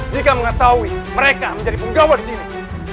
jika mengetahui mereka menjadi penggawa disini